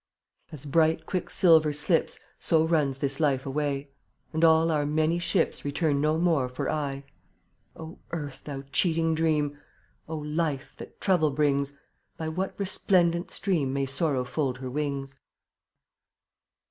(rttHAV ^ s bright quicksilver slips, So runs this life away, C/ And all our many ships Return no more for aye. O Earth, thou cheating dream! O Life, that trouble brings! By what resplendent stream May sorrow fold her wings?